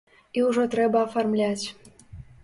І ўжо трэба афармляць.